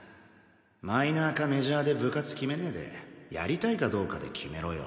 マイナーかメジャーで部活決めねえでやりたいかどうかで決めろよ。